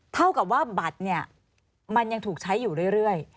เท่ากับว่าบัตรเนี่ยมันยังถูกใช้อยู่เรื่อย